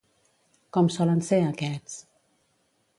Com solen ser aquests?